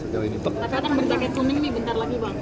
tapi kadang berjagat kuning ini bentar lagi bang